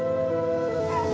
aku terlalu berharga